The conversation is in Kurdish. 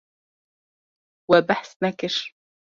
We behs nekir.